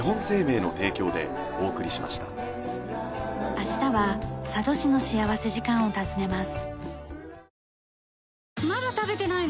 明日は佐渡市の幸福時間を訪ねます。